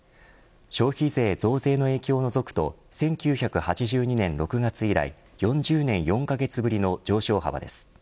消費税増税の影響を除くと１９８２年６月以来４０年４カ月ぶりの上昇幅です。